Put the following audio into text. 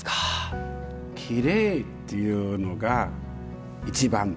きれいっていうのが一番。